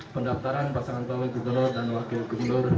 pendaftaran pasangan calon gubernur dan wakil gubernur